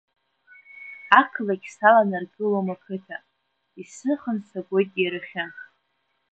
Ақалақь саланаргылом ақыҭа, исыхан сагоит иарахьы.